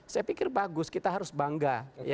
saya pikir bagus kita harus bangga